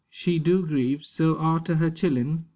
She do grieve so arter her chillen.